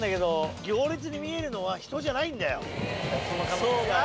その可能性ある。